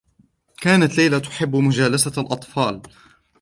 كانت ليلى تحبّ مجالسة الأطفال.